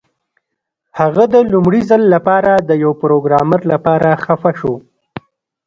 هغه د لومړي ځل لپاره د یو پروګرامر لپاره خفه شو